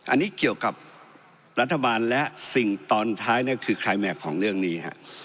อันนี้เกี่ยวกับรัฐบาลและสิ่งตอนท้ายคือคลายแม็กซ์ของเรื่องนี้